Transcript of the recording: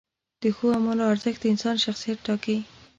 د ښو اعمالو ارزښت د انسان شخصیت ټاکي.